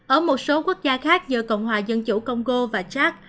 ở một số quốc gia khác như cộng hòa dân chủ congo và chad